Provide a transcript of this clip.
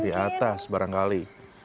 dari atas barangkali